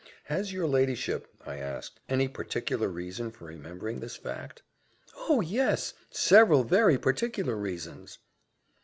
"Has your ladyship," I asked, "any particular reason for remembering this fact?" "Oh, yes! several very particular reasons."